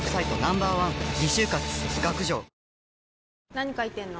何書いてんの？